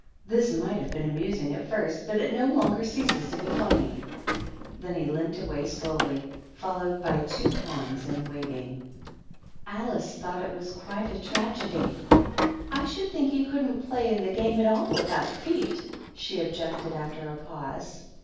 This might have been amusing at first, but it no longer ceases to be fiinny." Then he limped slowly away, followed by two pawns in waiting. 142 THE RED QUEEN AND THE DUCHESS. Alice thought it was quite a tragedy. "I should think he couldn't play in the game at all without feet," she objected, after a pause.